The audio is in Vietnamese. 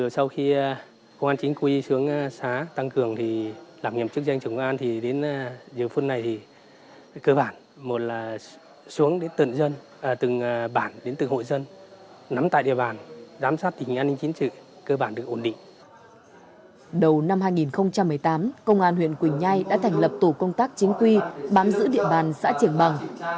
đầu năm hai nghìn một mươi tám công an huyện quỳnh nhai đã thành lập tổ công tác chính quy bám giữ địa bàn xã triển bằng